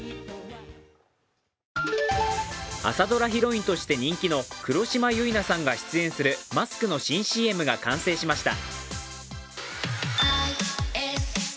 朝ドラヒロインとして人気の黒島結菜さんが出演するマスクの新ＣＭが完成しました。